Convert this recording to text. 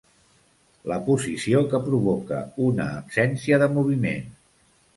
La posició que provoca una absència de moviment.